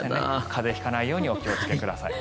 風邪を引かないようにお気をつけください。